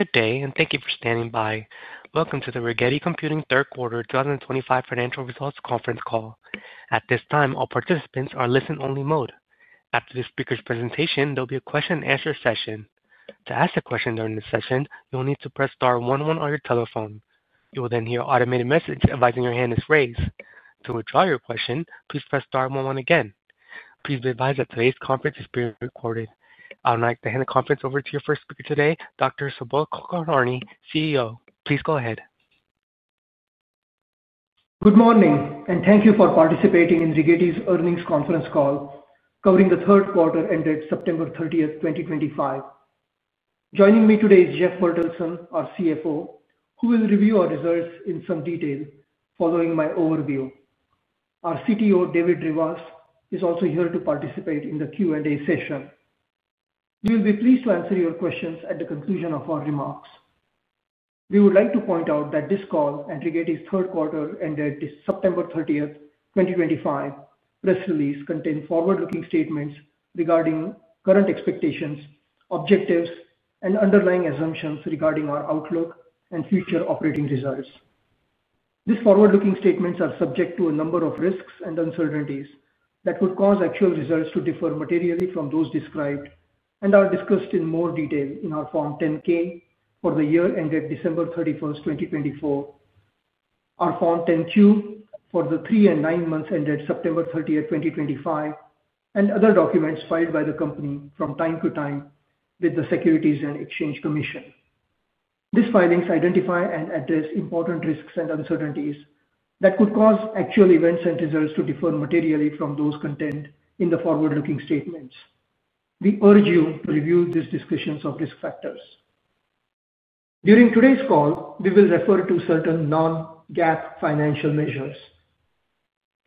Good day, and thank you for standing by. Welcome to the Rigetti Computing Third Quarter 2025 Financial Results conference call. At this time, all participants are in listen-only mode. After this speaker's presentation, there will be a question-and-answer session. To ask a question during this session, you will need to press star one one on your telephone. You will then hear an automated message advising your hand is raised. To withdraw your question, please press star one one again. Please be advised that today's conference is being recorded. I would now like to hand the conference over to your first speaker today, Dr. Subodh Kulkarni, CEO. Please go ahead. Good morning, and thank you for participating in Rigetti's earnings conference call covering the third quarter ended September 30th 2025. Joining me today is Jeff Bertelsen, our CFO, who will review our results in some detail following my overview. Our CTO, David Rivas, is also here to participate in the Q&A session. We will be pleased to answer your questions at the conclusion of our remarks. We would like to point out that this call and Rigetti's third quarter ended September 30th 2025 press release contain forward-looking statements regarding current expectations, objectives, and underlying assumptions regarding our outlook and future operating results. These forward-looking statements are subject to a number of risks and uncertainties that would cause actual results to differ materially from those described and are discussed in more detail in our Form 10-K for the year ended December 31st 2024, our Form 10-Q for the three and nine months ended September 30th 2025, and other documents filed by the company from time to time with the Securities and Exchange Commission. These filings identify and address important risks and uncertainties that could cause actual events and results to differ materially from those contained in the forward-looking statements. We urge you to review these discussions of risk factors. During today's call, we will refer to certain non-GAAP financial measures.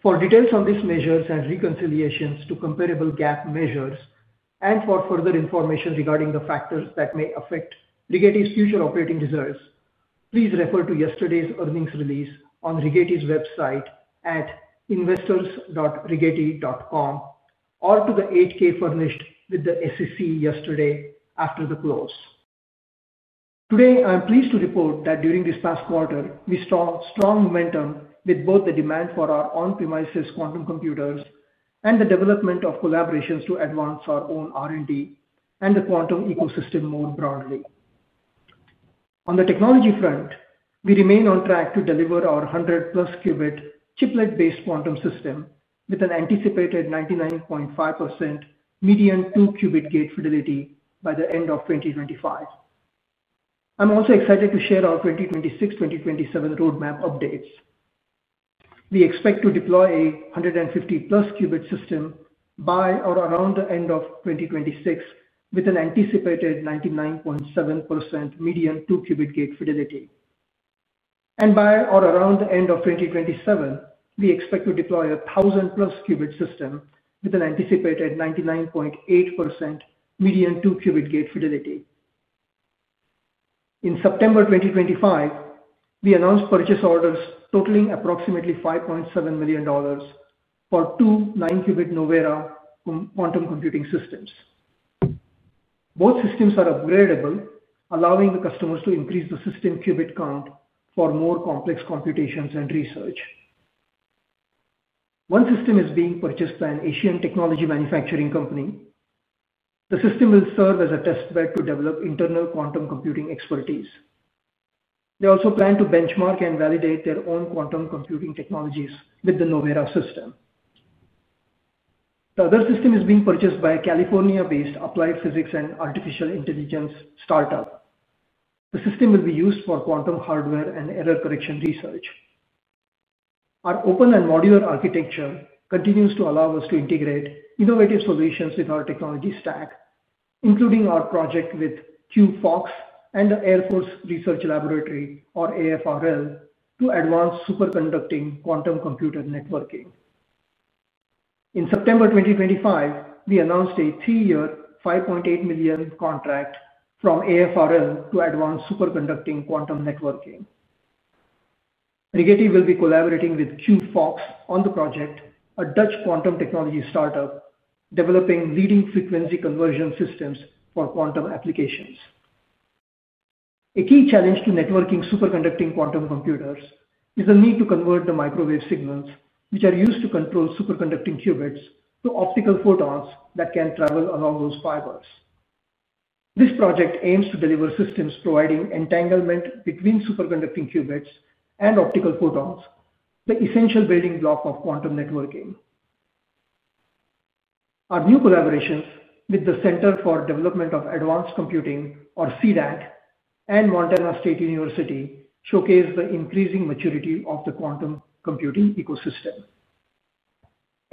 For details on these measures and reconciliations to comparable GAAP measures, and for further information regarding the factors that may affect Rigetti's future operating results, please refer to yesterday's earnings release on Rigetti's website at investors.rigetti.com or to the 8-K furnished with the SEC yesterday after the close. Today, I'm pleased to report that during this past quarter, we saw strong momentum with both the demand for our on-premises quantum computers and the development of collaborations to advance our own R&D and the quantum ecosystem more broadly. On the technology front, we remain on track to deliver our 100+ qubit chiplet-based quantum system with an anticipated 99.5% median two-qubit gate fidelity by the end of 2025. I'm also excited to share our 2026-2027 roadmap updates. We expect to deploy a 150-plus qubit system by or around the end of 2026 with an anticipated 99.7% median two-qubit gate fidelity. By or around the end of 2027, we expect to deploy a 1,000+ qubit system with an anticipated 99.8% median two-qubit gate fidelity. In September 2025, we announced purchase orders totaling approximately $5.7 million for two 9-qubit Novera quantum computing systems. Both systems are upgradable, allowing the customers to increase the system qubit count for more complex computations and research. One system is being purchased by an Asian technology manufacturing company. The system will serve as a testbed to develop internal quantum computing expertise. They also plan to benchmark and validate their own quantum computing technologies with the Novera system. The other system is being purchased by a California-based applied physics and artificial intelligence start-up. The system will be used for quantum hardware and error correction research. Our open and modular architecture continues to allow us to integrate innovative solutions with our technology stack, including our project with QphoX and the Air Force Research Laboratory, or AFRL, to advance superconducting quantum computer networking. In September 2025, we announced a three-year, $5.8 million contract from AFRL to advance superconducting quantum networking. Rigetti will be collaborating with QphoX on the project, a Dutch quantum technology start-up developing leading frequency conversion systems for quantum applications. A key challenge to networking superconducting quantum computers is the need to convert the microwave signals, which are used to control superconducting qubits, to optical photons that can travel along those fibers. This project aims to deliver systems providing entanglement between superconducting qubits and optical photons, the essential building block of quantum networking. Our new collaborations with the Centre for Development of Advanced Computing, or C-DAC, and Montana State University showcase the increasing maturity of the quantum computing ecosystem.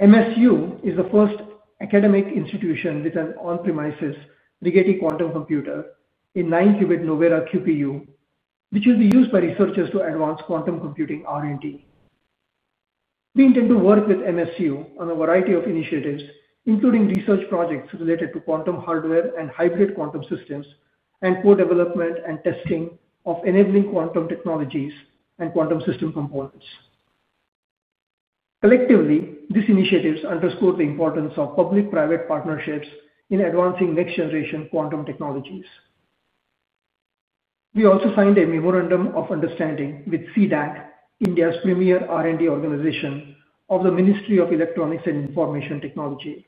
MSU is the first academic institution with an on-premises Rigetti quantum computer in 9-qubit Novera QPU, which will be used by researchers to advance quantum computing R&D. We intend to work with MSU on a variety of initiatives, including research projects related to quantum hardware and hybrid quantum systems, and co-development and testing of enabling quantum technologies and quantum system components. Collectively, these initiatives underscore the importance of public-private partnerships in advancing next-generation quantum technologies. We also signed a memorandum of understanding with C-DAC, India's premier R&D organization of the Ministry of Electronics and Information Technology.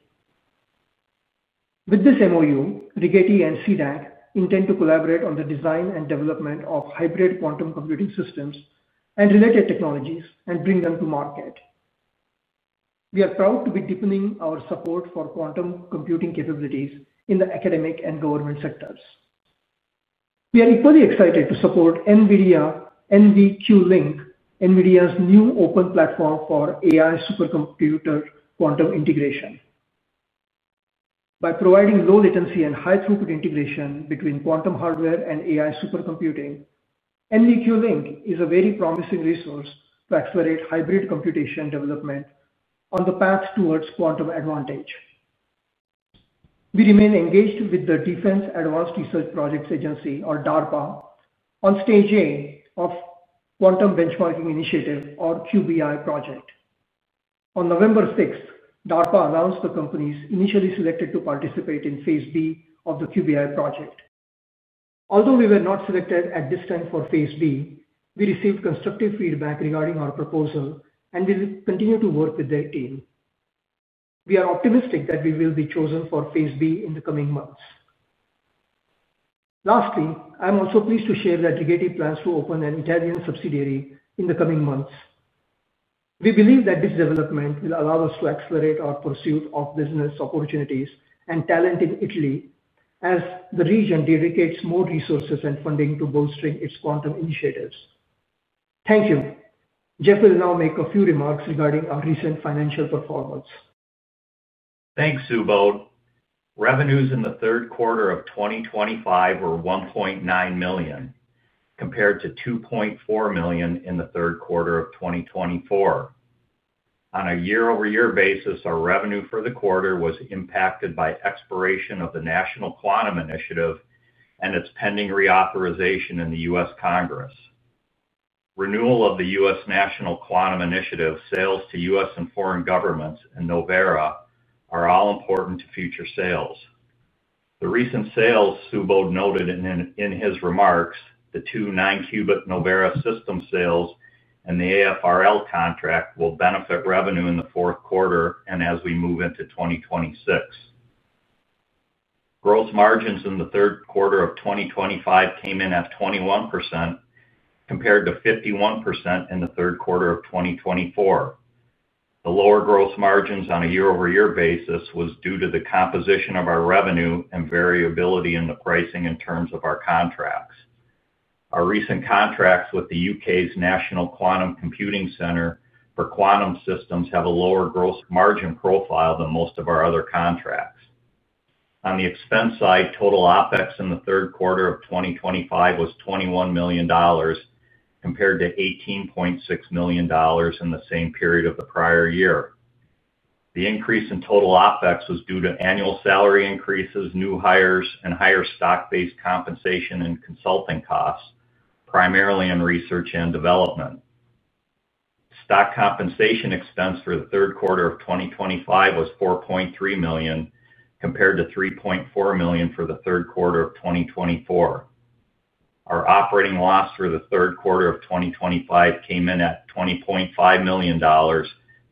With this MOU, Rigetti and C-DAC intend to collaborate on the design and development of hybrid quantum computing systems and related technologies and bring them to market. We are proud to be deepening our support for quantum computing capabilities in the academic and government sectors. We are equally excited to support NVIDIA NVQLink, NVIDIA's new open platform for AI supercomputer quantum integration. By providing low-latency and high-throughput integration between quantum hardware and AI supercomputing, NVQLink is a very promising resource to accelerate hybrid computation development on the path towards quantum advantage. We remain engaged with the Defense Advanced Research Projects Agency, or DARPA, on stage A of the Quantum Benchmarking Initiative, or QBI project. On November 6th, DARPA announced the companies initially selected to participate in phase B of the QBI project. Although we were not selected at this time for phase B, we received constructive feedback regarding our proposal and will continue to work with their team. We are optimistic that we will be chosen for phase B in the coming months. Lastly, I'm also pleased to share that Rigetti plans to open an Italian subsidiary in the coming months. We believe that this development will allow us to accelerate our pursuit of business opportunities and talent in Italy, as the region dedicates more resources and funding to bolstering its quantum initiatives. Thank you. Jeff will now make a few remarks regarding our recent financial performance. Thanks, Subodh. Revenues in the third quarter of 2025 were $1.9 million, compared to $2.4 million in the third quarter of 2024. On a year-over-year basis, our revenue for the quarter was impacted by expiration of the National Quantum Initiative and its pending reauthorization in the U.S. Congress. Renewal of the U.S. National Quantum Initiative, sales to U.S. and foreign governments, and Novera are all important to future sales. The recent sales, Subodh noted in his remarks, the two 9-qubit Novera system sales and the AFRL contract will benefit revenue in the fourth quarter and as we move into 2026. Gross margins in the third quarter of 2025 came in at 21%, compared to 51% in the third quarter of 2024. The lower gross margins on a year-over-year basis was due to the composition of our revenue and variability in the pricing in terms of our contracts. Our recent contracts with the U.K.'s National Quantum Computing Centre for Quantum Systems have a lower gross margin profile than most of our other contracts. On the expense side, total OpEx in the third quarter of 2025 was $21 million, compared to $18.6 million in the same period of the prior year. The increase in total OpEx was due to annual salary increases, new hires, and higher stock-based compensation and consulting costs, primarily in research and development. Stock compensation expense for the third quarter of 2025 was $4.3 million, compared to $3.4 million for the third quarter of 2024. Our operating loss for the third quarter of 2025 came in at $20.5 million,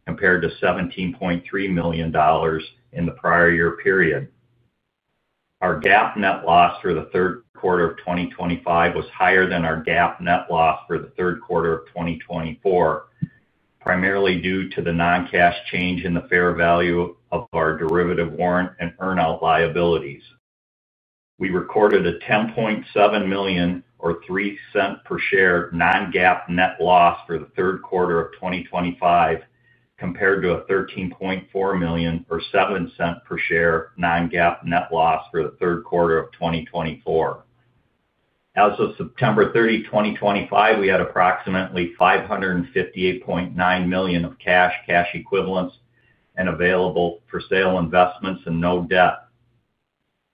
compared to $17.3 million in the prior year period. Our GAAP net loss for the third quarter of 2025 was higher than our GAAP net loss for the third quarter of 2024, primarily due to the non-cash change in the fair value of our derivative warrant and earn-out liabilities. We recorded a $10.7 million, or $0.03 per share, non-GAAP net loss for the third quarter of 2025, compared to a $13.4 million, or $0.07 per share, non-GAAP net loss for the third quarter of 2024. As of September 30, 2025, we had approximately $558.9 million of cash, cash equivalents, and available for sale investments and no debt.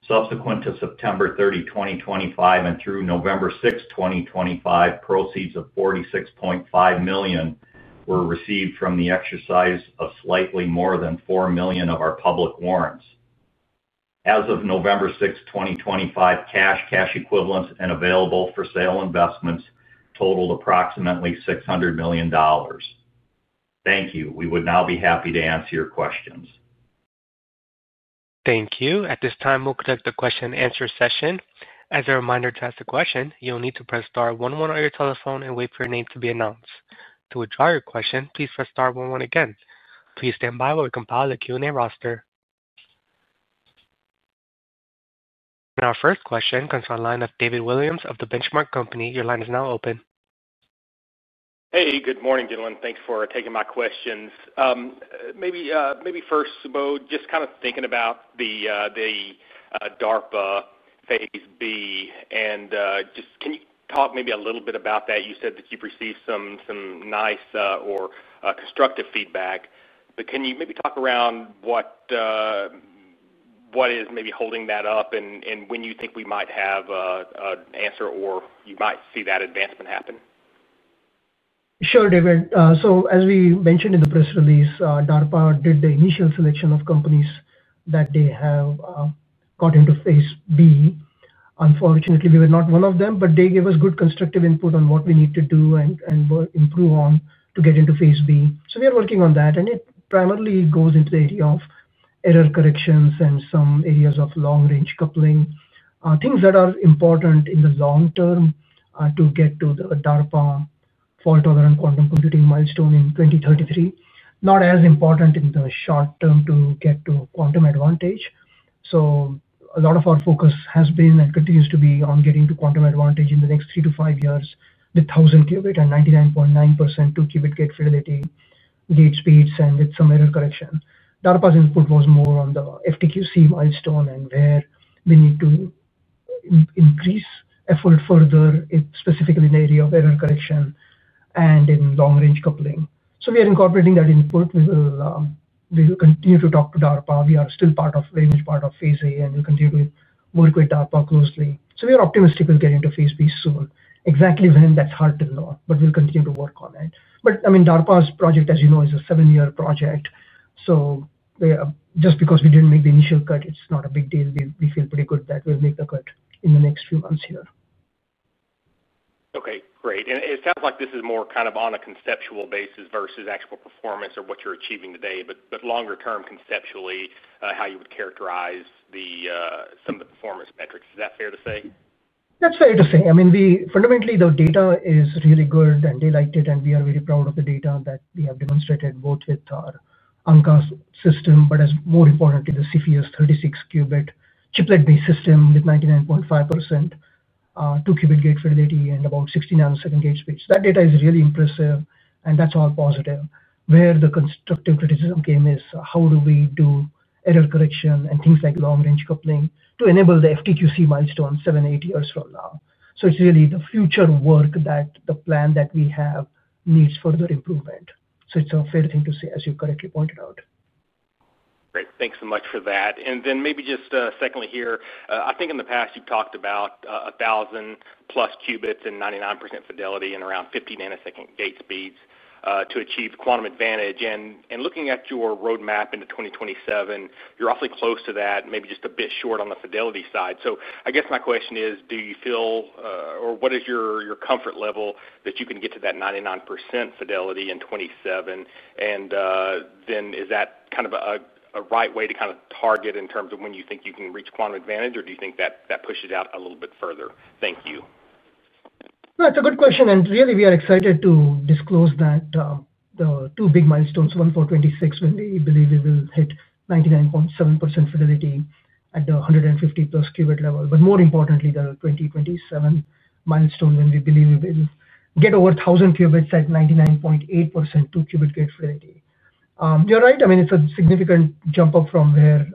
Subsequent to September 30, 2025, and through November 6th 2025, proceeds of $46.5 million were received from the exercise of slightly more than $4 million of our public warrants. As of November 6th 2025, cash, cash equivalents, and available for sale investments totaled approximately $600 million. Thank you. We would now be happy to answer your questions. Thank you. At this time, we'll conduct the question-and-answer session. As a reminder, to ask the question, you'll need to press star one one on your telephone and wait for your name to be announced. To withdraw your question, please press star one one again. Please stand by while we compile the Q&A roster. Our first question comes from a line of David Williams of The Benchmark Company. Your line is now open. Hey, good morning, Dylan. Thanks for taking my questions. Maybe first, Subodh, just kind of thinking about the DARPA phase B, and just can you talk maybe a little bit about that? You said that you've received some nice or constructive feedback, but can you maybe talk around what is maybe holding that up and when you think we might have an answer or you might see that advancement happen? Sure, David. As we mentioned in the press release, DARPA did the initial selection of companies that they have got into phase B. Unfortunately, we were not one of them, but they gave us good constructive input on what we need to do and improve on to get into phase B. We are working on that, and it primarily goes into the area of error correction and some areas of long-range coupling, things that are important in the long term to get to the DARPA fault-tolerant quantum computing milestone in 2033, not as important in the short term to get to quantum advantage. A lot of our focus has been and continues to be on getting to quantum advantage in the next three to five years with 1,000 qubit and 99.9% two-qubit gate fidelity, gate speeds, and with some error correction. DARPA's input was more on the FTQC milestone and where we need to increase effort further, specifically in the area of error correction and in long-range coupling. We are incorporating that input. We will continue to talk to DARPA. We are still part of a very large part of phase A, and we'll continue to work with DARPA closely. We are optimistic we'll get into phase B soon. Exactly when, that's hard to know, but we'll continue to work on it. I mean, DARPA's project, as you know, is a seven-year project. Just because we didn't make the initial cut, it's not a big deal. We feel pretty good that we'll make the cut in the next few months here. Okay, great. It sounds like this is more kind of on a conceptual basis versus actual performance or what you're achieving today, but longer term, conceptually, how you would characterize some of the performance metrics. Is that fair to say? That's fair to say. I mean, fundamentally, the data is really good, and they liked it, and we are very proud of the data that we have demonstrated both with our Ankaa system, but more importantly, the Cepheus 36-qubit chiplet-based system with 99.5% two-qubit gate fidelity and about 60 nanosecond gate speeds. That data is really impressive, and that's all positive. Where the constructive criticism came is, how do we do error correction and things like long-range coupling to enable the FTQC milestone seven, eight years from now? It is really the future work that the plan that we have needs further improvement. It is a fair thing to say, as you correctly pointed out. Great. Thanks so much for that. Maybe just secondly here, I think in the past you've talked about 1,000+ qubits and 99% fidelity and around 50 nanosecond gate speeds to achieve quantum advantage. Looking at your roadmap into 2027, you're awfully close to that, maybe just a bit short on the fidelity side. I guess my question is, do you feel, or what is your comfort level that you can get to that 99% fidelity in 2027? Is that kind of a right way to kind of target in terms of when you think you can reach quantum advantage, or do you think that pushes out a little bit further? Thank you. That's a good question. Really, we are excited to disclose that the two big milestones, one for 2026, when we believe we will hit 99.7% fidelity at the 150+ qubit level. More importantly, the 2027 milestone, when we believe we will get over 1,000 qubits at 99.8% two-qubit gate fidelity. You're right. I mean, it's a significant jump up from where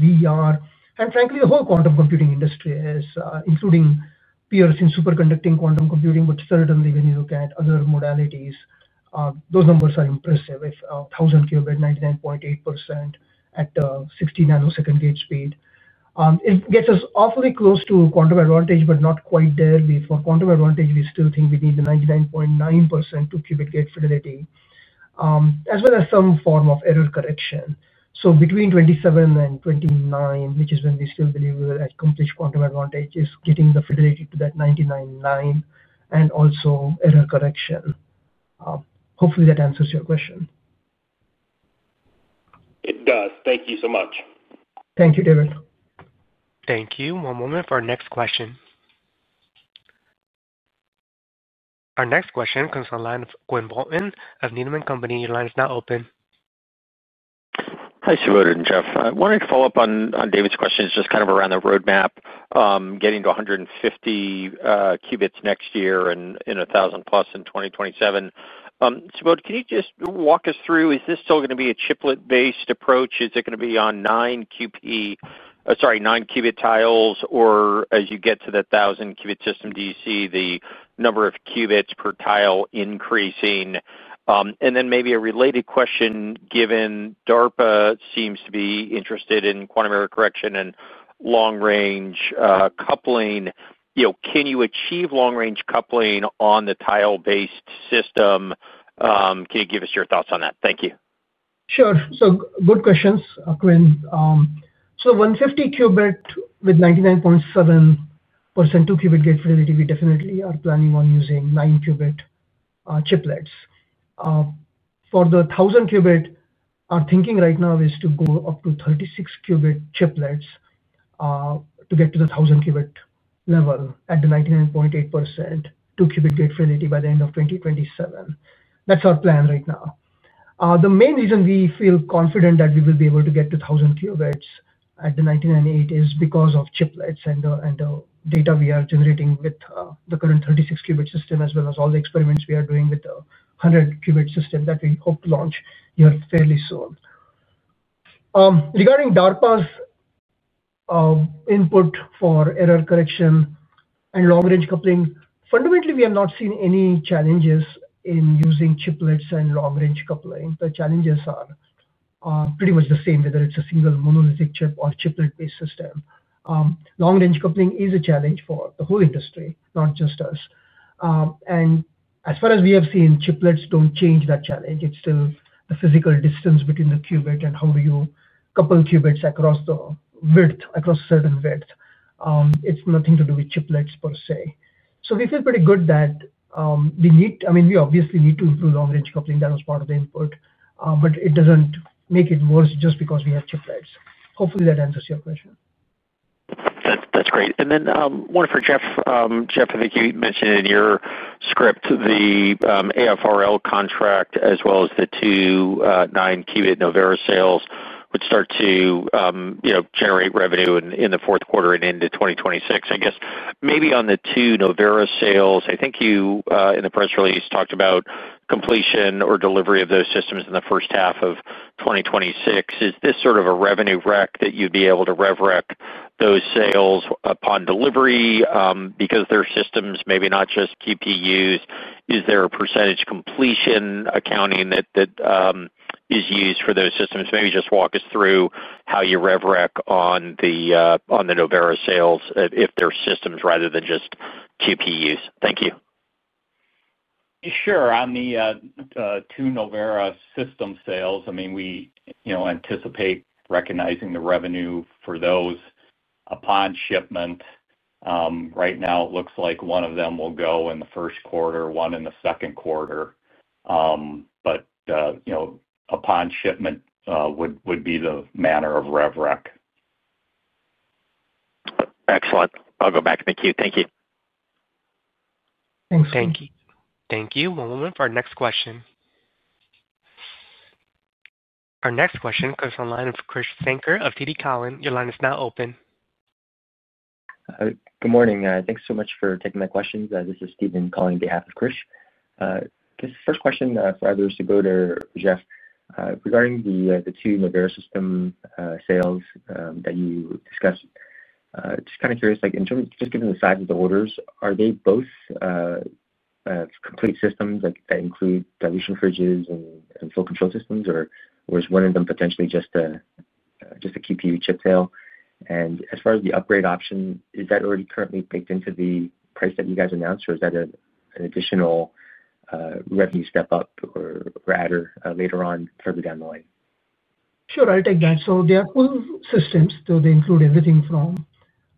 we are. Frankly, the whole quantum computing industry is, including peers in superconducting quantum computing, but certainly when you look at other modalities, those numbers are impressive. If 1,000 qubit, 99.8% at the 60 nanosecond gate speed, it gets us awfully close to quantum advantage, but not quite there. For quantum advantage, we still think we need the 99.9% two-qubit gate fidelity, as well as some form of error correction. Between 2027 and 2029, which is when we still believe we will accomplish quantum advantage, is getting the fidelity to that [99.9%] and also error correction. Hopefully, that answers your question. It does. Thank you so much. Thank you, David. Thank you. One moment for our next question. Our next question comes online from Quinn Bolton of Needham & Company. Your line is now open. Hi, Subodh and Jeff. I wanted to follow up on David's question, just kind of around the roadmap, getting to 150 qubits next year and 1,000+ in 2027. Subodh, can you just walk us through? Is this still going to be a chiplet-based approach? Is it going to be on 9-qubit tiles, or as you get to the 1,000-qubit system, do you see the number of qubits per tile increasing? Maybe a related question, given DARPA seems to be interested in quantum error correction and long-range coupling, can you achieve long-range coupling on the tile-based system? Can you give us your thoughts on that? Thank you. Sure. Good questions, Quinn. 150 qubit with 99.7% two-qubit gate fidelity, we definitely are planning on using 9-qubit chiplets. For the 1,000 qubit, our thinking right now is to go up to 36-qubit chiplets to get to the 1,000-qubit level at the 99.8% two-qubit gate fidelity by the end of 2027. That is our plan right now. The main reason we feel confident that we will be able to get to 1,000 qubits at the 99.8% is because of chiplets and the data we are generating with the current 36-qubit system, as well as all the experiments we are doing with the 100-qubit system that we hope to launch here fairly soon. Regarding DARPA's input for error correction and long-range coupling, fundamentally, we have not seen any challenges in using chiplets and long-range coupling. The challenges are pretty much the same, whether it's a single monolithic chip or chiplet-based system. Long-range coupling is a challenge for the whole industry, not just us. As far as we have seen, chiplets don't change that challenge. It's still the physical distance between the qubit and how do you couple qubits across the width, across a certain width. It's nothing to do with chiplets per se. We feel pretty good that we need—I mean, we obviously need to improve long-range coupling. That was part of the input, but it doesn't make it worse just because we have chiplets. Hopefully, that answers your question. That's great. And then one for Jeff. Jeff, I think you mentioned in your script the AFRL contract, as well as the two 9-qubit Novera sales, would start to generate revenue in the fourth quarter and into 2026. I guess maybe on the two Novera sales, I think you, in the press release, talked about completion or delivery of those systems in the first half of 2026. Is this sort of a revenue rec that you'd be able to rev rec those sales upon delivery? Because they're systems, maybe not just QPUs, is there a percentage completion accounting that is used for those systems? Maybe just walk us through how you rev rec on the Novera sales if they're systems rather than just QPUs. Thank you. Sure. On the two Novera system sales, I mean, we anticipate recognizing the revenue for those upon shipment. Right now, it looks like one of them will go in the first quarter, one in the second quarter. Upon shipment would be the manner of rev rec. Excellent. I'll go back to the queue. Thank you. Thanks. Thank you. One moment for our next question. Our next question comes online from Krish Sankar of TD Cowen. Your line is now open. Good morning. Thanks so much for taking my questions. This is Steven calling on behalf of Krish. This first question for others to go to Jeff. Regarding the two Novera system sales that you discussed, just kind of curious, just given the size of the orders, are they both complete systems that include dilution fridges and full control systems, or is one of them potentially just a QPU chip sale? As far as the upgrade option, is that already currently baked into the price that you guys announced, or is that an additional revenue step up or add later on further down the line? Sure. I'll take that. They are full systems. They include everything from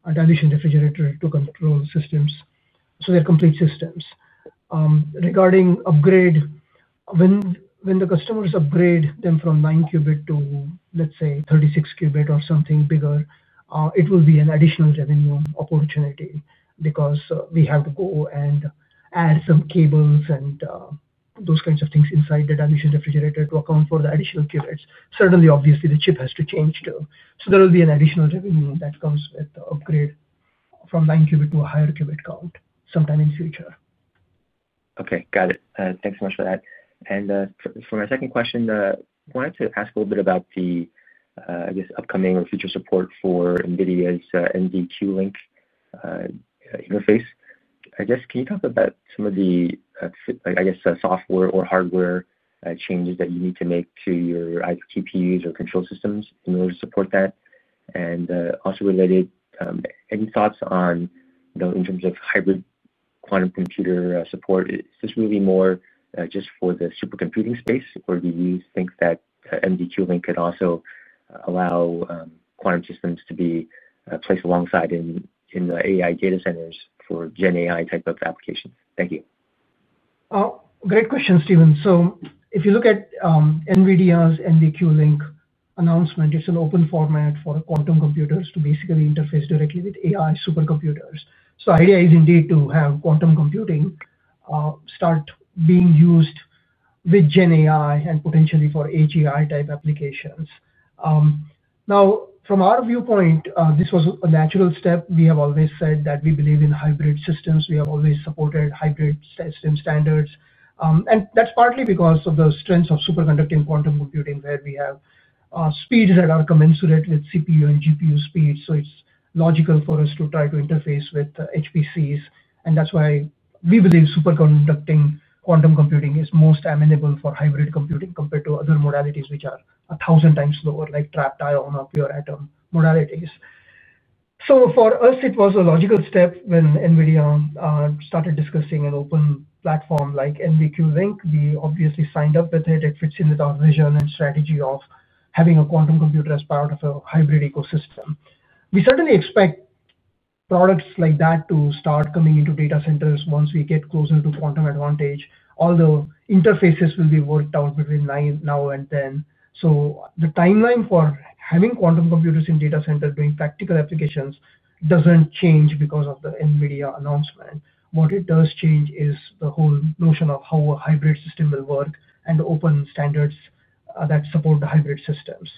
a dilution refrigerator to control systems. They are complete systems. Regarding upgrade, when the customers upgrade them from 9-qubit to, let's say, 36-qubit or something bigger, it will be an additional revenue opportunity because we have to go and add some cables and those kinds of things inside the dilution refrigerator to account for the additional qubits. Certainly, obviously, the chip has to change too. There will be an additional revenue that comes with the upgrade from 9-qubit to a higher qubit count sometime in the future. Okay. Got it. Thanks so much for that. For my second question, I wanted to ask a little bit about the, I guess, upcoming or future support for NVIDIA's NVQLink interface. I guess, can you talk about some of the, I guess, software or hardware changes that you need to make to your either TPUs or control systems in order to support that? Also related, any thoughts on, in terms of hybrid quantum computer support? Is this really more just for the supercomputing space, or do you think that NVQLink could also allow quantum systems to be placed alongside in the AI data centers for GenAI type of applications? Thank you. Great question, Steven. If you look at NVIDIA's NVQLink announcement, it's an open format for quantum computers to basically interface directly with AI supercomputers. The idea is indeed to have quantum computing start being used with GenAI and potentially for AGI-type applications. Now, from our viewpoint, this was a natural step. We have always said that we believe in hybrid systems. We have always supported hybrid system standards. That's partly because of the strengths of superconducting quantum computing, where we have speeds that are commensurate with CPU and GPU speeds. It is logical for us to try to interface with HPCs. That's why we believe superconducting quantum computing is most amenable for hybrid computing compared to other modalities which are 1,000x slower, like trapped ion or pure atom modalities. For us, it was a logical step when NVIDIA started discussing an open platform like NVQLink. We obviously signed up with it. It fits in with our vision and strategy of having a quantum computer as part of a hybrid ecosystem. We certainly expect products like that to start coming into data centers once we get closer to quantum advantage, although interfaces will be worked out between now and then. The timeline for having quantum computers in data centers doing practical applications does not change because of the NVIDIA announcement. What it does change is the whole notion of how a hybrid system will work and open standards that support hybrid systems.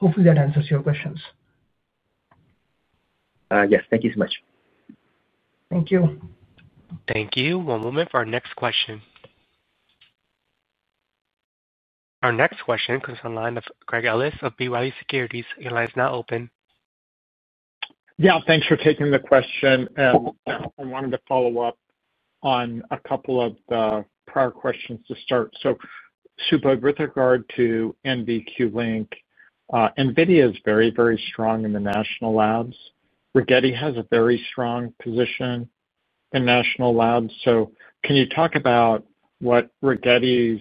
Hopefully, that answers your questions. Yes. Thank you so much. Thank you. Thank you. One moment for our next question. Our next question comes on the line of Craig Ellis of B. Riley Securities. Your line is now open. Yeah. Thanks for taking the question. I wanted to follow up on a couple of the prior questions to start. Subodh, with regard to NVQLink, NVIDIA is very, very strong in the national labs. Rigetti has a very strong position in national labs. Can you talk about what Rigetti's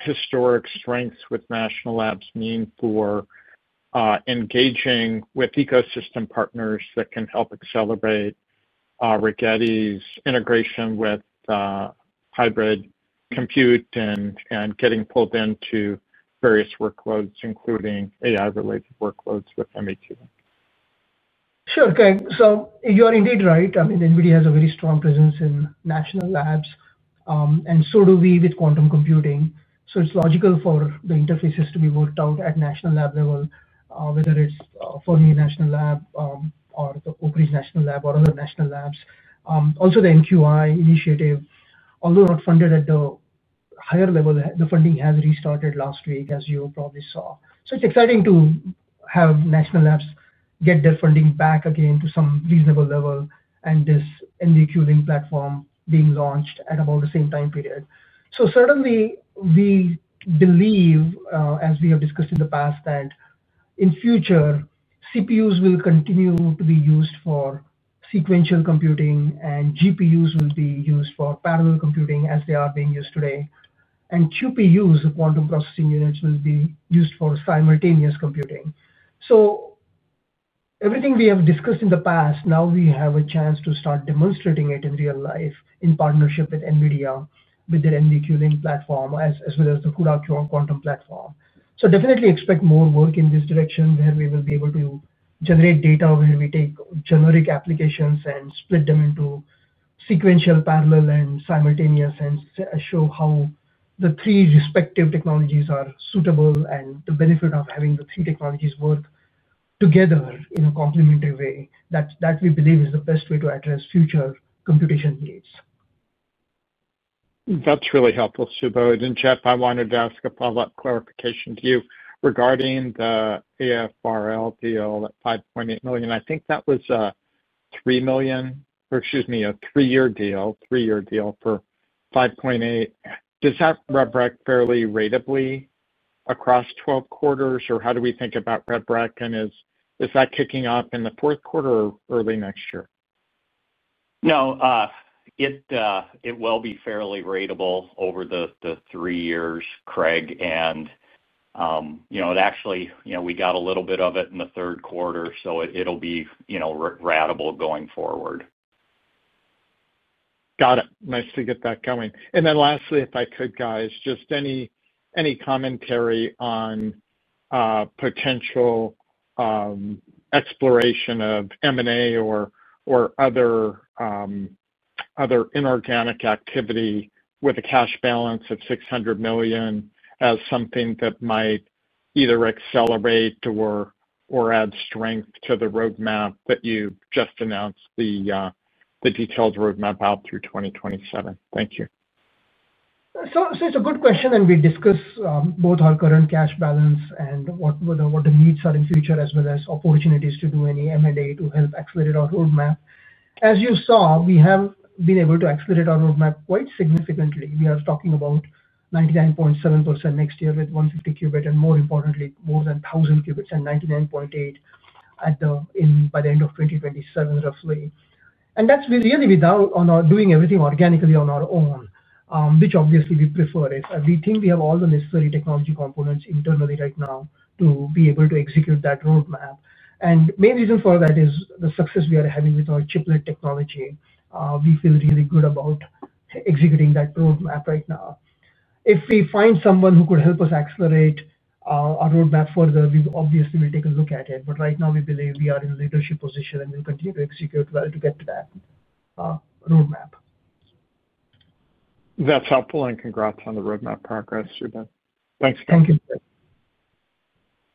historic strengths with national labs mean for engaging with ecosystem partners that can help accelerate Rigetti's integration with hybrid compute and getting pulled into various workloads, including AI-related workloads with MEQ? Sure. So you are indeed right. I mean, NVIDIA has a very strong presence in national labs, and so do we with quantum computing. It is logical for the interfaces to be worked out at national lab level, whether it is for the national lab or the Oak Ridge National Lab or other national labs. Also, the NQI initiative, although not funded at the higher level, the funding has restarted last week, as you probably saw. It is exciting to have national labs get their funding back again to some reasonable level and this NVQLink platform being launched at about the same time period. Certainly, we believe, as we have discussed in the past, that in future, CPUs will continue to be used for sequential computing, and GPUs will be used for parallel computing as they are being used today. QPUs, the quantum processing units, will be used for simultaneous computing. Everything we have discussed in the past, now we have a chance to start demonstrating it in real life in partnership with NVIDIA, with their NVQLink platform, as well as the CUDA-Q or Quantum platform. Definitely expect more work in this direction, where we will be able to generate data where we take generic applications and split them into sequential, parallel, and simultaneous, and show how the three respective technologies are suitable and the benefit of having the three technologies work together in a complementary way. That we believe is the best way to address future computation needs. That's really helpful, Subodh. Jeff, I wanted to ask a follow-up clarification to you regarding the AFRL deal at $5.8 million. I think that was a three-year deal, three-year deal for $5.8 million. Does that rev rec fairly ratably across 12 quarters, or how do we think about rev rec, and is that kicking off in the fourth quarter or early next year? No. It will be fairly ratable over the three years, Craig. Actually, we got a little bit of it in the third quarter, so it'll be ratable going forward. Got it. Nice to get that going. Lastly, if I could, guys, just any commentary on potential exploration of M&A or other inorganic activity with a cash balance of $600 million as something that might either accelerate or add strength to the roadmap that you just announced, the detailed roadmap out through 2027. Thank you. It is a good question, and we discuss both our current cash balance and what the needs are in future, as well as opportunities to do any M&A to help accelerate our roadmap. As you saw, we have been able to accelerate our roadmap quite significantly. We are talking about 99.7% next year with 150 qubit, and more importantly, more than 1,000 qubits, and 99.8% by the end of 2027 roughly. That is really without doing everything organically on our own, which obviously we prefer. We think we have all the necessary technology components internally right now to be able to execute that roadmap. The main reason for that is the success we are having with our chiplet technology. We feel really good about executing that roadmap right now. If we find someone who could help us accelerate our roadmap further, we obviously will take a look at it. Right now, we believe we are in a leadership position, and we'll continue to execute well to get to that roadmap. That's helpful, and congrats on the roadmap progress, Subodh. Thanks again. Thank you.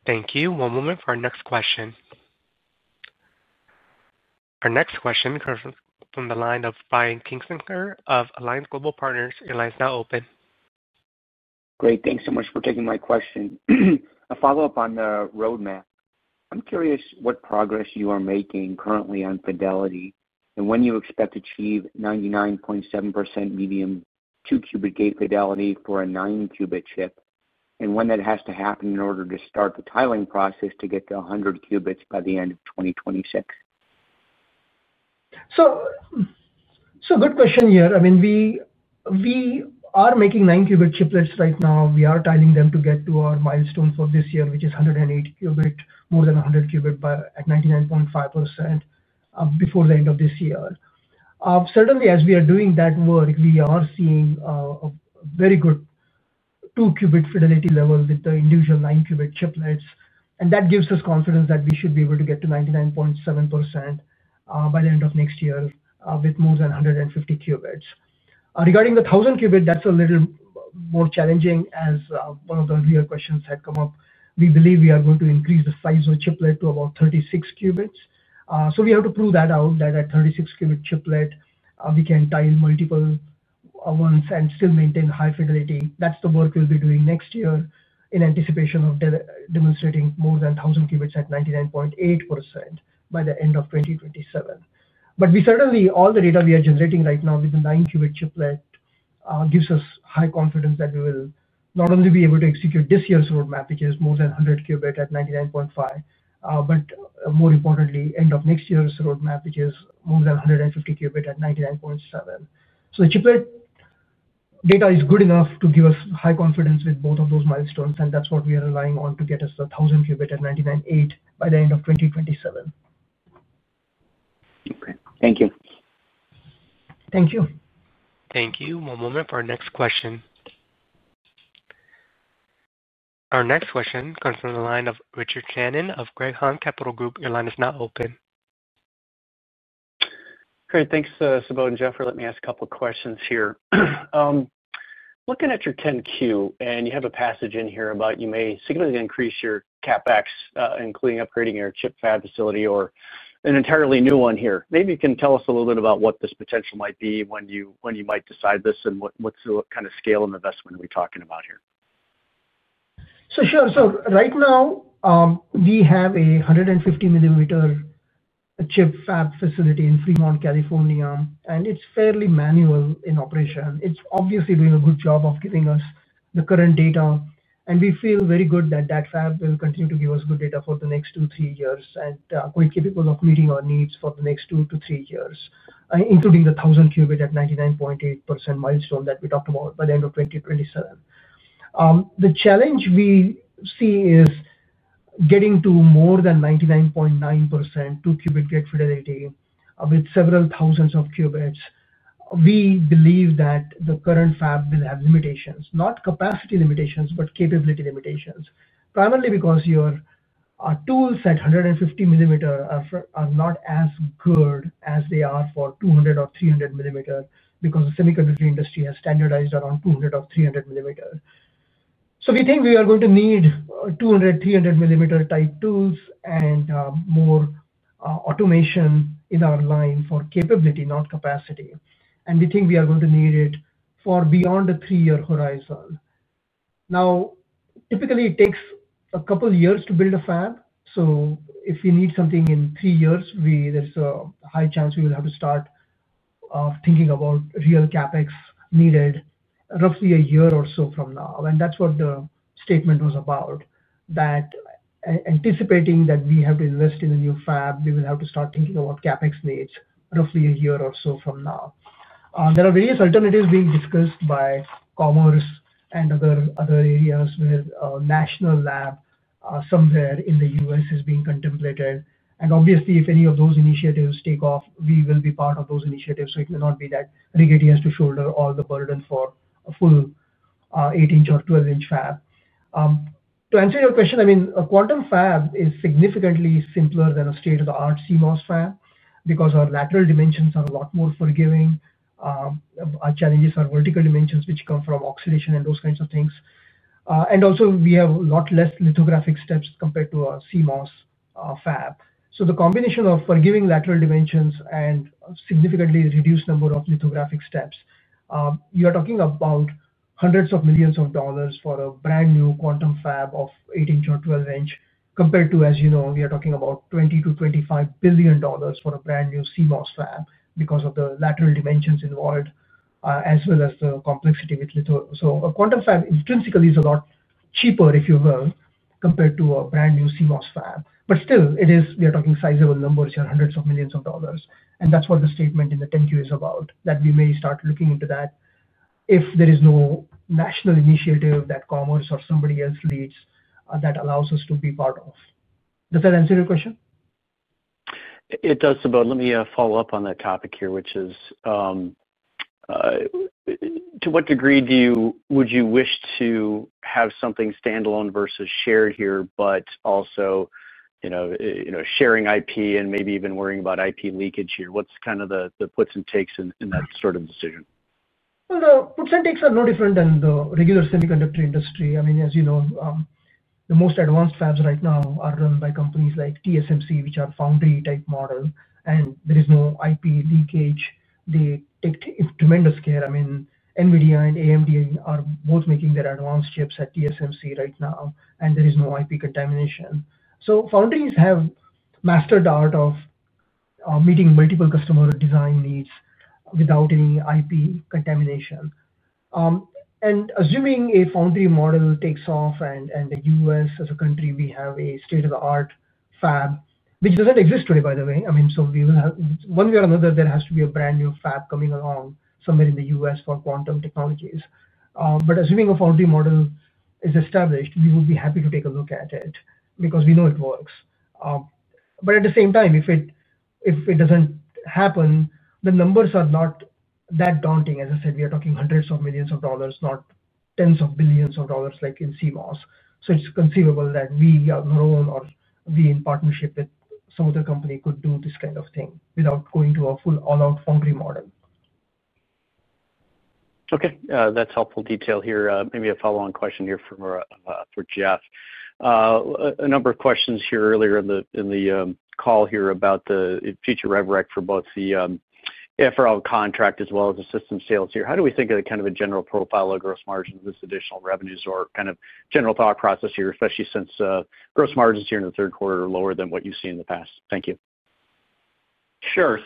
Thank you. One moment for our next question. Our next question comes from the line of Brian Kinstlinger of Alliance Global Partners. Your line is now open. Great. Thanks so much for taking my question. A follow-up on the roadmap. I'm curious what progress you are making currently on fidelity and when you expect to achieve 99.7% medium two-qubit gate fidelity for a 9-qubit chip, and when that has to happen in order to start the tiling process to get to 100 qubits by the end of 2026. Good question here. I mean, we are making 9-qubit chiplets right now. We are tiling them to get to our milestone for this year, which is 108 qubit, more than 100 qubit at 99.5% before the end of this year. Certainly, as we are doing that work, we are seeing a very good two-qubit fidelity level with the individual nine-qubit chiplets. That gives us confidence that we should be able to get to 99.7% by the end of next year with more than 150 qubits. Regarding the 1,000 qubit, that's a little more challenging, as one of the earlier questions had come up. We believe we are going to increase the size of the chiplet to about 36 qubits. We have to prove that out, that at 36-qubit chiplet, we can tile multiple ones and still maintain high fidelity. That's the work we'll be doing next year in anticipation of demonstrating more than 1,000 qubits at 99.8% by the end of 2027. Certainly, all the data we are generating right now with the 9-qubit chiplet gives us high confidence that we will not only be able to execute this year's roadmap, which is more than 100 qubit at 99.5%, but more importantly, end of next year's roadmap, which is more than 150 qubit at 99.7%. The chiplet data is good enough to give us high confidence with both of those milestones, and that's what we are relying on to get us the 1,000 qubit at 99.8% by the end of 2027. Okay. Thank you. Thank you. Thank you. One moment for our next question. Our next question comes from the line of Richard Shannon of Craig-Hallum Capital Group. Your line is now open. Great. Thanks, Subodh and Jeff. Let me ask a couple of questions here. Looking at your 10Q, and you have a passage in here about you may significantly increase your CapEx, including upgrading your chip fab facility or an entirely new one here. Maybe you can tell us a little bit about what this potential might be when you might decide this and what kind of scale of investment we're talking about here. Right now, we have a 150 mm chip fab facility in Fremont, California, and it's fairly manual in operation. It's obviously doing a good job of giving us the current data. We feel very good that that fab will continue to give us good data for the next two to three years and be capable of meeting our needs for the next two to three years, including the 1,000 qubit at 99.8% milestone that we talked about by the end of 2027. The challenge we see is getting to more than 99.9% two-qubit gate fidelity with several thousands of qubits. We believe that the current fab will have limitations, not capacity limitations, but capability limitations, primarily because your tools at 150 mm are not as good as they are for 200 mm or 300 mm because the semiconductor industry has standardized around 200 mm or 300mm. We think we are going to need 200 mm, 300 mm type tools and more automation in our line for capability, not capacity. We think we are going to need it for beyond the three-year horizon. Now, typically, it takes a couple of years to build a fab. If we need something in three years, there is a high chance we will have to start thinking about real CapEx needed roughly a year or so from now. That is what the statement was about, that anticipating that we have to invest in a new fab, we will have to start thinking about CapEx needs roughly a year or so from now. There are various alternatives being discussed by Commerce and other areas where a national lab somewhere in the U.S. is being contemplated. Obviously, if any of those initiatives take off, we will be part of those initiatives. It will not be that Rigetti has to shoulder all the burden for a full 8 in or 12 in fab. To answer your question, I mean, a quantum fab is significantly simpler than a state-of-the-art CMOS fab because our lateral dimensions are a lot more forgiving. Our challenges are vertical dimensions, which come from oxidation and those kinds of things. Also, we have a lot fewer lithographic steps compared to a CMOS fab. The combination of forgiving lateral dimensions and a significantly reduced number of lithographic steps, you are talking about hundreds of millions of dollars for a brand new quantum fab of 8 in or 12 in compared to, as you know, we are talking about $20 billion-$25 billion for a brand new CMOS fab because of the lateral dimensions involved as well as the complexity with litho. A quantum fab intrinsically is a lot cheaper, if you will, compared to a brand new CMOS fab. Still, we are talking sizable numbers here, hundreds of millions of dollars. That is what the statement in the 10Q is about, that we may start looking into that if there is no national initiative that Commerce or somebody else leads that allows us to be part of. Does that answer your question? It does, Subodh. Let me follow up on that topic here, which is to what degree would you wish to have something standalone versus shared here, but also sharing IP and maybe even worrying about IP leakage here? What's kind of the puts and takes in that sort of decision? The puts and takes are no different than the regular semiconductor industry. I mean, as you know, the most advanced fabs right now are run by companies like TSMC, which are foundry-type models, and there is no IP leakage. They take tremendous care. I mean, NVIDIA and AMD are both making their advanced chips at TSMC right now, and there is no IP contamination. Foundries have mastered art of meeting multiple customer design needs without any IP contamination. Assuming a foundry model takes off and the U.S., as a country, we have a state-of-the-art fab, which does not exist today, by the way. I mean, one way or another, there has to be a brand new fab coming along somewhere in the U.S. for quantum technologies. Assuming a foundry model is established, we would be happy to take a look at it because we know it works. At the same time, if it does not happen, the numbers are not that daunting. As I said, we are talking hundreds of millions of dollars, not tens of billions of dollars like in CMOS. It is conceivable that we on our own or we in partnership with some other company could do this kind of thing without going to a full all-out foundry model. Okay. That's helpful detail here. Maybe a follow-on question here for Jeff. A number of questions here earlier in the call here about the future rev rec for both the AFRL contract as well as the system sales here. How do we think of kind of a general profile of gross margins with additional revenues or kind of general thought process here, especially since gross margins here in the third quarter are lower than what you've seen in the past? Thank you. Sure.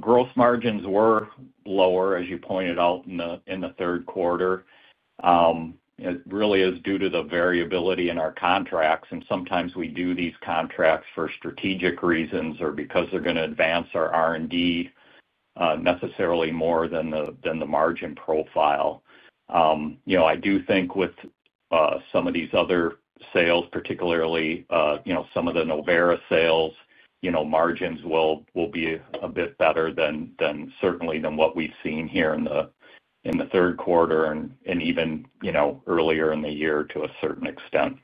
Gross margins were lower, as you pointed out, in the third quarter. It really is due to the variability in our contracts. Sometimes we do these contracts for strategic reasons or because they are going to advance our R&D necessarily more than the margin profile. I do think with some of these other sales, particularly some of the Novera sales, margins will be a bit better than certainly what we have seen here in the third quarter and even earlier in the year to a certain extent.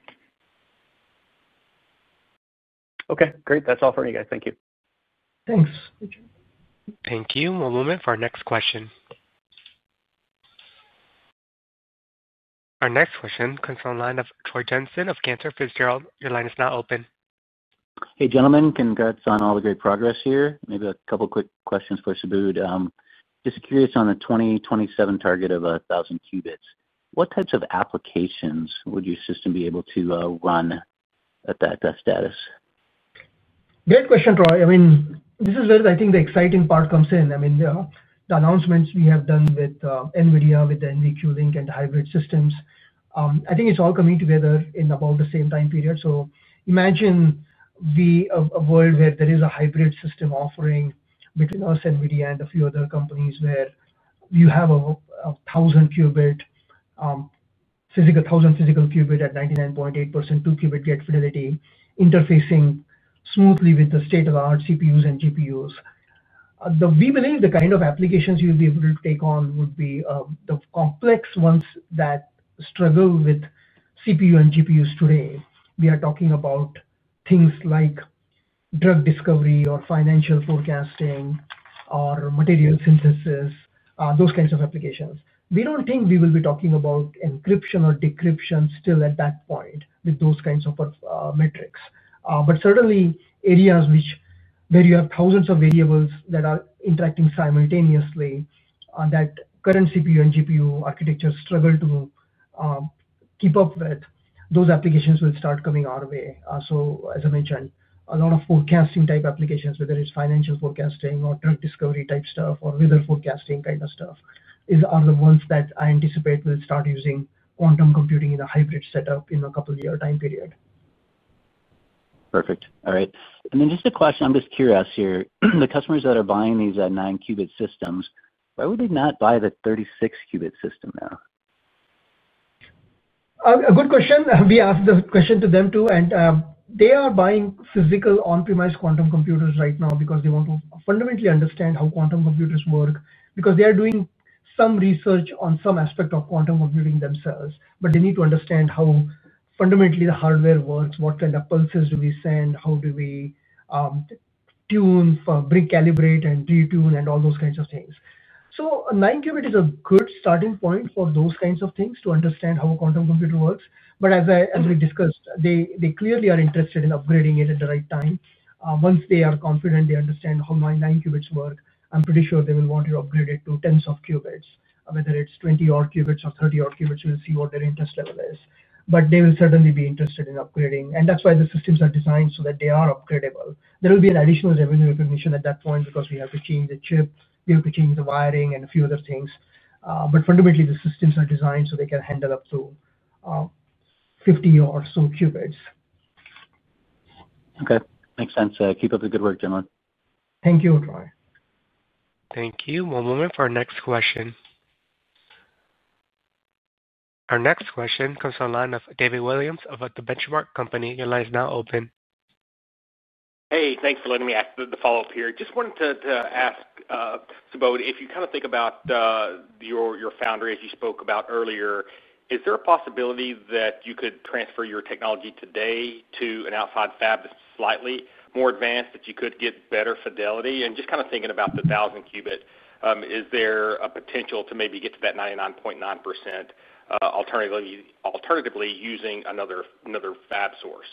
Okay. Great. That's all for me, guys. Thank you. Thanks. Thank you. One moment for our next question. Our next question comes from the line of Troy Jensen of Cantor Fitzgerald. Your line is now open. Hey, gentlemen. Congrats on all the great progress here. Maybe a couple of quick questions for Subodh. Just curious on the 2027 target of 1,000 qubits. What types of applications would your system be able to run at that status? Great question, Troy. I mean, this is where I think the exciting part comes in. I mean, the announcements we have done with NVIDIA, with the NVQLink, and the hybrid systems, I think it's all coming together in about the same time period. Imagine a world where there is a hybrid system offering between us, NVIDIA, and a few other companies where you have a 1,000-qubit physical, 1,000 physical qubit at 99.8% two-qubit gate fidelity interfacing smoothly with the state-of-the-art CPUs and GPUs. We believe the kind of applications you'll be able to take on would be the complex ones that struggle with CPU and GPUs today. We are talking about things like drug discovery or financial forecasting or material synthesis, those kinds of applications. We don't think we will be talking about encryption or decryption still at that point with those kinds of metrics. Certainly, areas where you have thousands of variables that are interacting simultaneously that current CPU and GPU architectures struggle to keep up with, those applications will start coming our way. As I mentioned, a lot of forecasting type applications, whether it's financial forecasting or drug discovery type stuff or weather forecasting kind of stuff, are the ones that I anticipate will start using quantum computing in a hybrid setup in a couple-year time period. Perfect. All right. Just a question. I'm just curious here. The customers that are buying these 9-qubit systems, why would they not buy the 36-qubit system now? A good question. We asked the question to them too. They are buying physical on-premise quantum computers right now because they want to fundamentally understand how quantum computers work because they are doing some research on some aspect of quantum computing themselves. They need to understand how fundamentally the hardware works, what kind of pulses do we send, how do we tune, recalibrate, and retune, and all those kinds of things. Nine-qubit is a good starting point for those kinds of things to understand how a quantum computer works. As we discussed, they clearly are interested in upgrading it at the right time. Once they are confident they understand how 9-qubits work, I'm pretty sure they will want to upgrade it to tens of qubits, whether it's 20-odd qubits or 30-odd qubits. We'll see what their interest level is. They will certainly be interested in upgrading. That is why the systems are designed so that they are upgradable. There will be an additional revenue recognition at that point because we have to change the chip, we have to change the wiring, and a few other things. Fundamentally, the systems are designed so they can handle up to 50-odd-so qubits. Okay. Makes sense. Keep up the good work, gentlemen. Thank you, Troy. Thank you. One moment for our next question. Our next question comes from the line of David Williams of The Benchmark Company. Your line is now open. Hey. Thanks for letting me ask the follow-up here. Just wanted to ask, Subodh, if you kind of think about your foundry, as you spoke about earlier, is there a possibility that you could transfer your technology today to an outside fab that's slightly more advanced, that you could get better fidelity? Just kind of thinking about the 1,000-qubit, is there a potential to maybe get to that 99.9% alternatively using another fab source?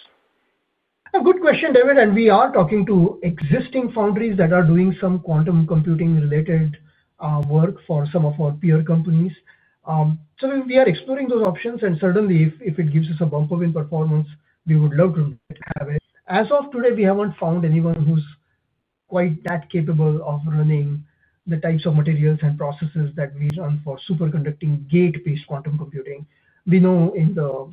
A good question, David. We are talking to existing foundries that are doing some quantum computing-related work for some of our peer companies. We are exploring those options. Certainly, if it gives us a bump up in performance, we would love to have. As of today, we haven't found anyone who's quite that capable of running the types of materials and processes that we run for superconducting gate-based quantum computing. We know in the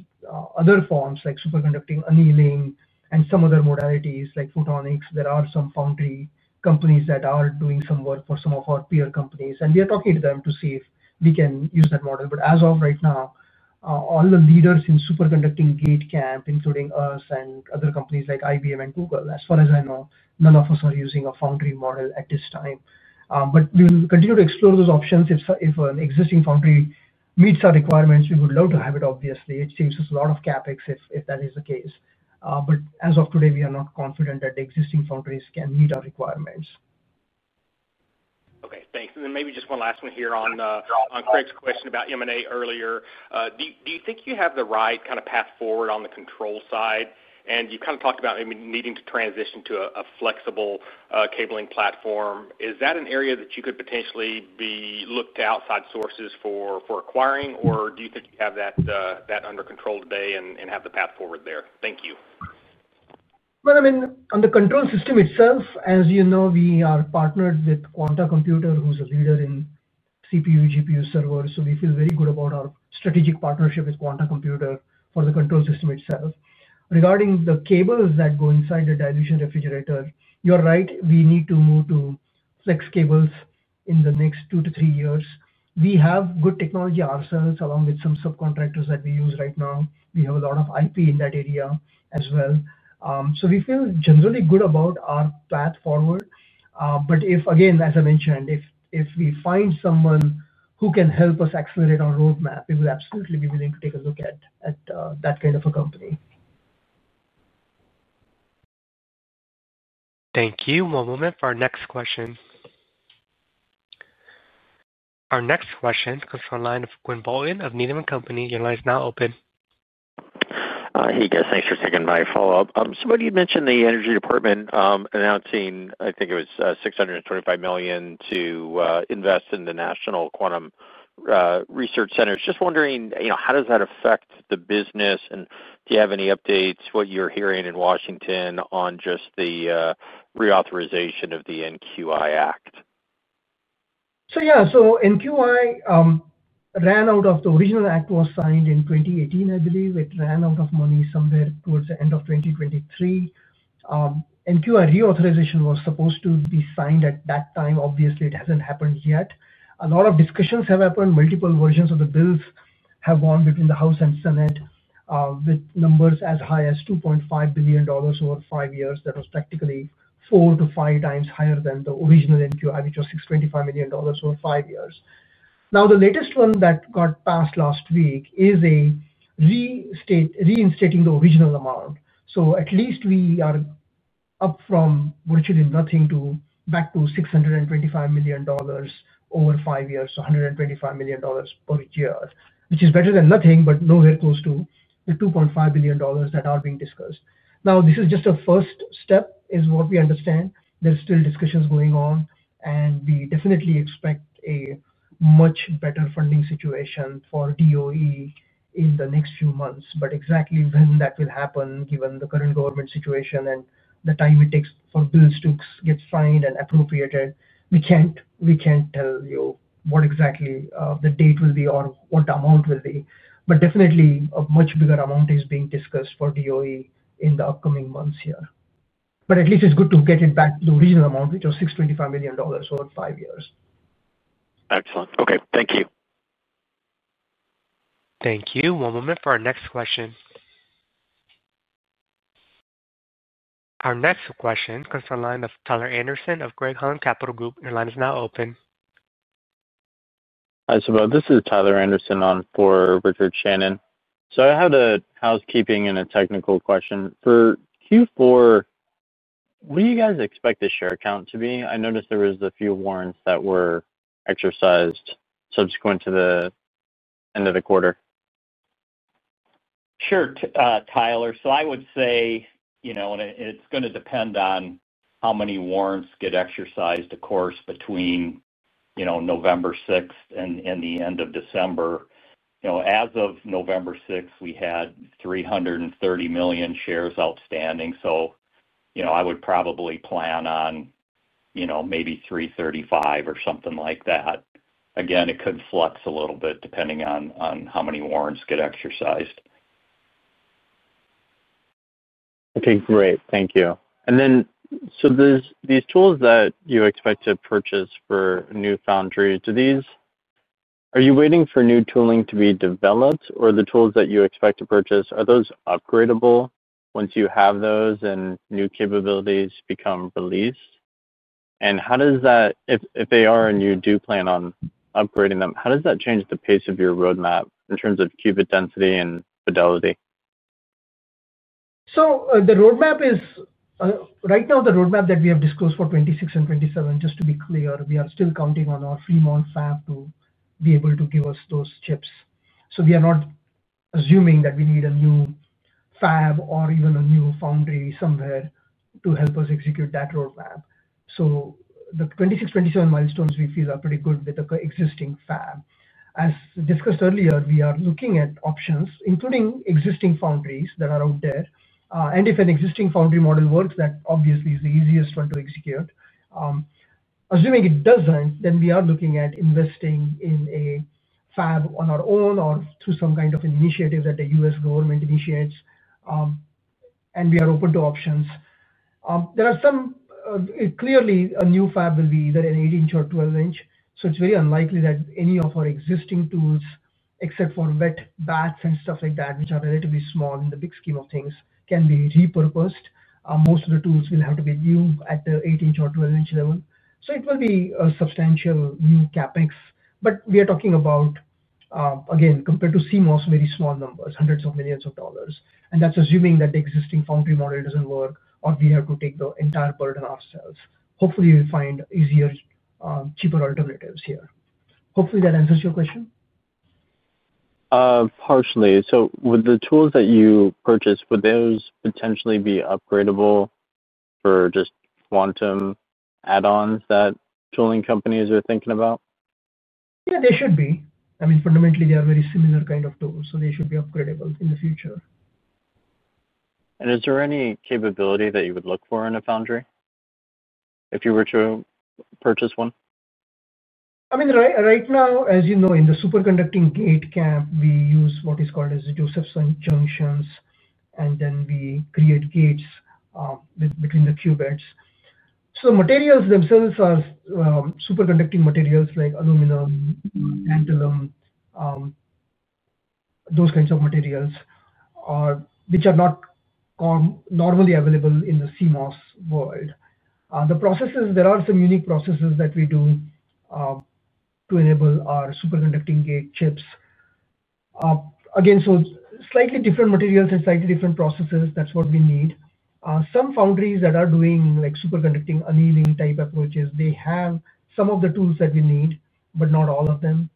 other forms, like superconducting annealing and some other modalities like photonics, there are some foundry companies that are doing some work for some of our peer companies. We are talking to them to see if we can use that model. As of right now, all the leaders in superconducting gate camp, including us and other companies like IBM and Google, as far as I know, none of us are using a foundry model at this time. We will continue to explore those options. If an existing foundry meets our requirements, we would love to have it, obviously. It saves us a lot of CapEx if that is the case. As of today, we are not confident that the existing foundries can meet our requirements. Okay. Thanks. Maybe just one last one here on Craig's question about M&A earlier. Do you think you have the right kind of path forward on the control side? You kind of talked about maybe needing to transition to a flexible cabling platform. Is that an area that you could potentially be looking to outside sources for acquiring, or do you think you have that under control today and have the path forward there? Thank you. I mean, on the control system itself, as you know, we are partnered with Quanta Computer, who's a leader in CPU, GPU servers. We feel very good about our strategic partnership with Quanta Computer for the control system itself. Regarding the cables that go inside the dilution refrigerator, you're right. We need to move to flex cables in the next two to three years. We have good technology ourselves along with some subcontractors that we use right now. We have a lot of IP in that area as well. We feel generally good about our path forward. Again, as I mentioned, if we find someone who can help us accelerate our roadmap, we will absolutely be willing to take a look at that kind of a company. Thank you. One moment for our next question. Our next question comes from the line of Quinn Bolton of Needham & Company. Your line is now open. Hey, guys. Thanks for sticking by. Follow-up. Subodh, you'd mentioned the Energy Department announcing, I think it was $625 million, to invest in the National Quantum Research Center. Just wondering, how does that affect the business? And do you have any updates what you're hearing in Washington on just the reauthorization of the NQI Act? Yeah. NQI ran out of the original act was signed in 2018, I believe. It ran out of money somewhere towards the end of 2023. NQI reauthorization was supposed to be signed at that time. Obviously, it hasn't happened yet. A lot of discussions have happened. Multiple versions of the bills have gone between the House and Senate with numbers as high as $2.5 billion over five years. That was practically 4x-5x higher than the original NQI, which was $625 million over five years. Now, the latest one that got passed last week is reinstating the original amount. At least we are up from virtually nothing back to $625 million over five years, so $125 million per year, which is better than nothing, but nowhere close to the $2.5 billion that are being discussed. Now, this is just a first step, is what we understand. There's still discussions going on, and we definitely expect a much better funding situation for DOE in the next few months. Exactly when that will happen, given the current government situation and the time it takes for bills to get signed and appropriated, we can't tell you what exactly the date will be or what the amount will be. Definitely, a much bigger amount is being discussed for DOE in the upcoming months here. At least it's good to get it back to the original amount, which was $625 million over five years. Excellent. Okay. Thank you. Thank you. One moment for our next question. Our next question comes from the line of Tyler Anderson of Craig-Hallum Capital Group. Your line is now open. Hi, Subodh. This is Tyler Anderson on for Richard Shannon. I have a housekeeping and a technical question. For Q4, what do you guys expect the share count to be? I noticed there were a few warrants that were exercised subsequent to the end of the quarter. Sure, Tyler. I would say it is going to depend on how many warrants get exercised, of course, between November 6th and the end of December. As of November 6th, we had 330 million shares outstanding. I would probably plan on maybe 335 or something like that. Again, it could flux a little bit depending on how many warrants get exercised. Okay. Great. Thank you. These tools that you expect to purchase for new foundries, are you waiting for new tooling to be developed? Or the tools that you expect to purchase, are those upgradable once you have those and new capabilities become released? If they are and you do plan on upgrading them, how does that change the pace of your roadmap in terms of qubit density and fidelity? Right now, the roadmap that we have discussed for 2026 and 2027, just to be clear, we are still counting on our Fremont fab to be able to give us those chips. We are not assuming that we need a new fab or even a new foundry somewhere to help us execute that roadmap. The 2026, 2027 milestones we feel are pretty good with the existing fab. As discussed earlier, we are looking at options, including existing foundries that are out there. If an existing foundry model works, that obviously is the easiest one to execute. Assuming it does not, then we are looking at investing in a fab on our own or through some kind of initiative that the U.S. Government initiates. We are open to options. Clearly, a new fab will be either an 8 in or 12 in. It is very unlikely that any of our existing tools, except for wet baths and stuff like that, which are relatively small in the big scheme of things, can be repurposed. Most of the tools will have to be new at the 8 in or 12 in level. It will be a substantial new CapEx. We are talking about, again, compared to CMOS, very small numbers, hundreds of millions of dollars. That is assuming that the existing foundry model does not work or we have to take the entire burden ourselves. Hopefully, we will find easier, cheaper alternatives here. Hopefully, that answers your question? Partially. With the tools that you purchased, would those potentially be upgradable for just quantum add-ons that tooling companies are thinking about? Yeah, they should be. I mean, fundamentally, they are very similar kind of tools, so they should be upgradable in the future. Is there any capability that you would look for in a foundry if you were to purchase one? I mean, right now, as you know, in the superconducting gate camp, we use what is called Josephson junctions, and then we create gates between the qubits. The materials themselves are superconducting materials like aluminum, tantalum, those kinds of materials, which are not normally available in the CMOS world. There are some unique processes that we do to enable our superconducting gate chips. Again, slightly different materials and slightly different processes, that's what we need. Some foundries that are doing superconducting annealing type approaches have some of the tools that we need, but not all of them.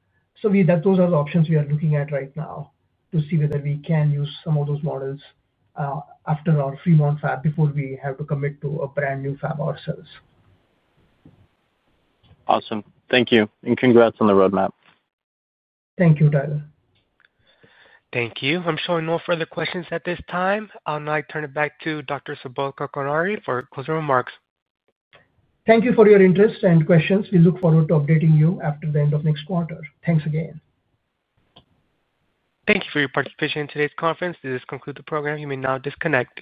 Those are the options we are looking at right now to see whether we can use some of those models after our Fremont fab before we have to commit to a brand new fab ourselves. Awesome. Thank you. Congrats on the roadmap. Thank you, Tyler. Thank you. I'm showing no further questions at this time. I'll now turn it back to Dr. Subodh Kulkarni for closing remarks. Thank you for your interest and questions. We look forward to updating you after the end of next quarter. Thanks again. Thank you for your participation in today's conference. This has concluded the program. You may now disconnect.